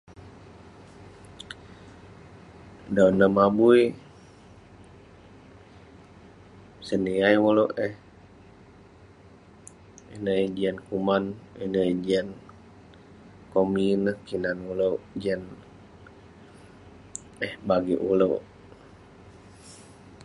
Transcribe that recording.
dan neh mabui, seniyai ulouk eh, ineh eh jian kuman, ineh eh jian komi neh, kinan ulouk ,jian eh bagik ulouk